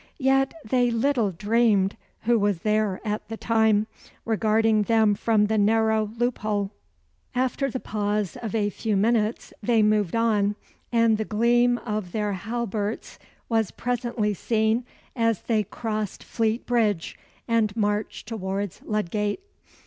Yet they little dreamed who was there at the time, regarding them from the narrow loop hole. After the pause of a few minutes they moved on, and the gleam of their halberts was presently seen, as they crossed Fleet Bridge, and marched towards Ludgate.